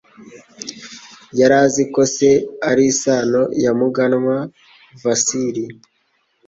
Yari azi ko se ari isano ya Muganwa Vasili.